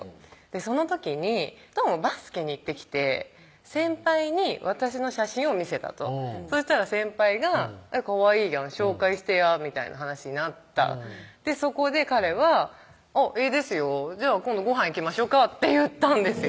その時にどうもバスケに行ってきて先輩に私の写真を見せたとそしたら先輩が「かわいいやん紹介してや」みたいな話になったそこで彼は「あっええですよ」「今度ごはん行きましょか」って言ったんですよ